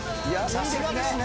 さすがですね。